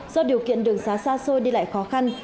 do điều kiện đường xá xa xôi đi lại khó khăn